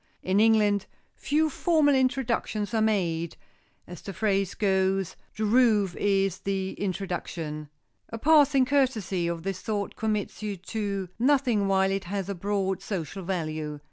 In England, few formal introductions are made,—as the phrase goes, "the roof is the introduction." A passing courtesy of this sort commits you to nothing while it has a broad social value.